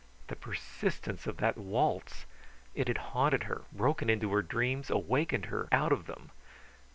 The persistence of that waltz! It had haunted her, broken into her dreams, awakened her out of them.